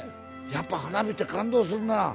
やっぱ花火って感動するな。